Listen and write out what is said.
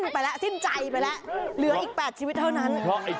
กลิ่นดือเป็นเหตุสังเกตได้